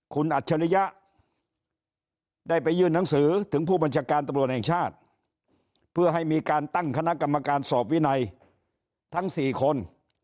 คุณอัจฉริยะได้ไปยื่นหนังสือถึงผู้บัญชาการตำรวจแห่งชาติเพื่อให้มีการตั้งคณะกรรมการสอบวินัยทั้ง๔คน